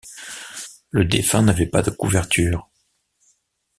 Le défunt n’avait pas de couvertures.